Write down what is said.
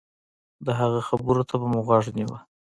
د هغه خبرو ته به مو غوږ نيوه.